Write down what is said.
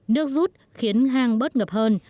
nước rút khiến hàng bớt ngập hơn